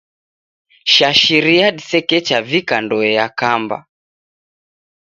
Shashiria disekecha vika ndoe yakamba.